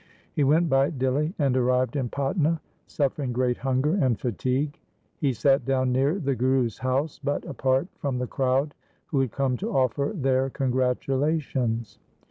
He went by Dihli and arrived in Patna suffering great hunger and fatigue. He sat down near the Guru's house, but apart from the crowd who had come to offer their congratulations.